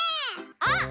あっ！